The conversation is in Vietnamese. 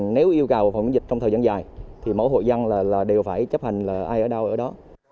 nếu yêu cầu phòng dịch trong thời gian dài thì mỗi hộ dân là đều phải chấp hành là ai ở đâu ở đó